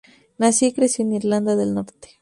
Nació y creció en Irlanda del Norte.